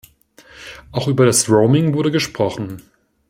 Auch über das Roaming wurde gesprochen.